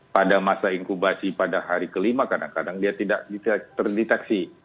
pada masa inkubasi pada hari kelima kadang kadang dia tidak bisa terdeteksi